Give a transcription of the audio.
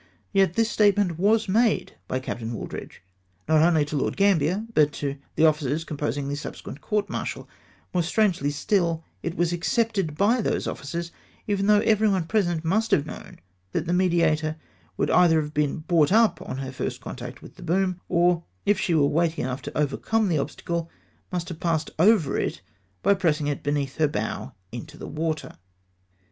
Yet tills statement was made by Captain Wooldridge, not only to Lord Gambler but to the officers compos ing the subsequent court martial ; more strangely still, it was accepted by those officers, though every one present must have known that the Mediator would either have been brought up on her first contact with tlie boom, or, if she were weighty enough to overcome tlie obstacle, must have passed over it, by pressing it beneath her bow into the water.